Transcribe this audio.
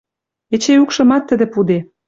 Эче юкшымат тӹдӹ пуде